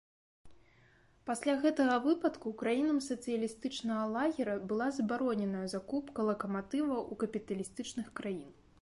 Пасля гэтага выпадку краінам сацыялістычнага лагера была забароненая закупка лакаматываў у капіталістычных краін.